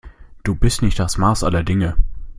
Du bist nicht das Maß aller Dinge.